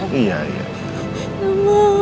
bilangin aku gak perlu ngomong ya